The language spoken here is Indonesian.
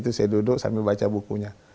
itu saya duduk sambil baca bukunya